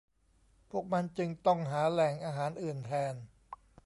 พวกมันจึงต้องหาแหล่งอาหารอื่นแทน